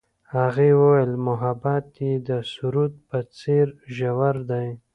هغې وویل محبت یې د سرود په څېر ژور دی.